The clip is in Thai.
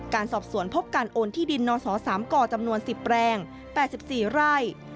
การสอบสวนพบการโอนที่ดินนศ๓กจำนวน๑๐แปลง๘๔ไร่